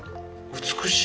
美しい。